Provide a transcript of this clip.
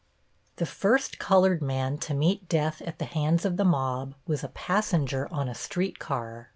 The first colored man to meet death at the hands of the mob was a passenger on a street car.